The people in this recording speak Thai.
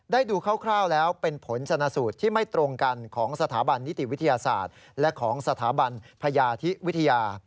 ดูคร่าวแล้วเป็นผลชนะสูตรที่ไม่ตรงกันของสถาบันนิติวิทยาศาสตร์และของสถาบันพญาธิวิทยา